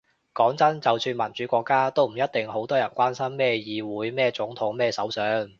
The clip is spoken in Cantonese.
講真，就算民主國家，都唔一定好多人關心咩議會咩總統咩首相